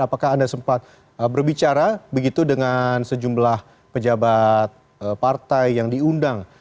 apakah anda sempat berbicara begitu dengan sejumlah pejabat partai yang diundang